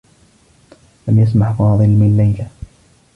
لم يسمع فاضل من ليلى.